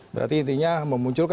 berarti intinya memunculkan